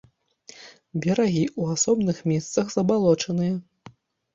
Берагі ў асобных месцах забалочаныя.